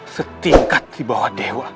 setingkat di bawah dewa